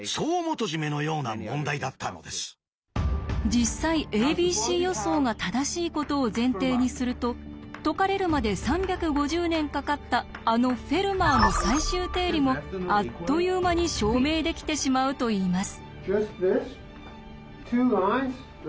実際「ａｂｃ予想」が正しいことを前提にすると解かれるまで３５０年かかったあの「フェルマーの最終定理」もあっという間に証明できてしまうといいます。